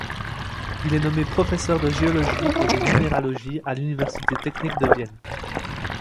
Il est nommé professeur de géologie et de minéralogie à l'université technique de Vienne.